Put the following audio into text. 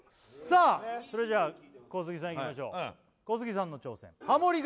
さあそれじゃあ小杉さんいきましょう小杉さんの挑戦ハモリ